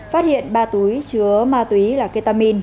phát hiện ba túy chứa ma túy là ketamine